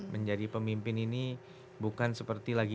menjadi pemimpin ini bukan seperti lagi